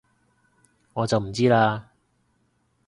我就唔知喇